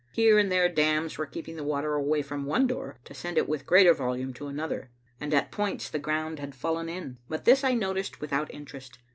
Here and there dams were keeping the water away from one door to send it with greater volume to another, and at points the ground had fallen in. But this I noticed without interest.